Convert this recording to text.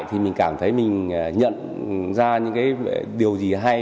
thì mình cảm thấy mình nhận ra những cái điều gì hay